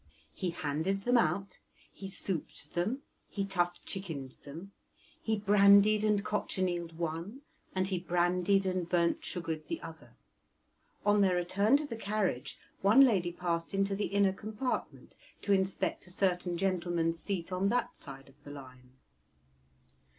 He handed them out, he souped them, he tough chickened them, he brandied and cochinealed one, and he brandied and burnt sugared the other; on their return to the carriage one lady passed into the inner compartment to inspect a certain gentleman's seat on that side of the line.